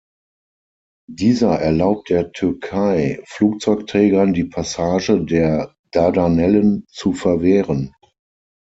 Dieser erlaubt der Türkei, Flugzeugträgern die Passage der Dardanellen zu verwehren.